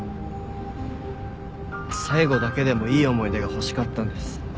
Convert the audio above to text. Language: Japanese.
最後だけでもいい思い出が欲しかったんです。